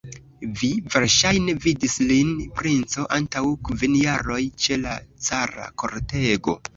Vi verŝajne vidis lin, princo, antaŭ kvin jaroj, ĉe la cara kortego.